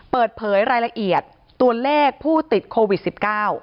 เปิดเผยรายละเอียดตัวเลขผู้ติดโควิดสิบเก้า